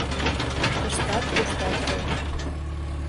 Тыштат-туштат рож.